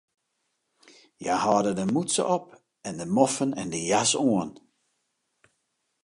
Hja holden de mûtse op en de moffen en jas oan.